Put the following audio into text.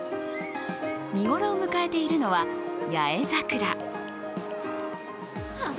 見頃を迎えているのは、八重桜。